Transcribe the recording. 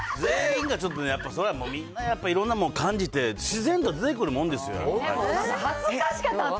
全員がちょっとやっぱり、みんなやっぱりいろんなもん感じて、自然と出てくるもんですよ、やっぱり。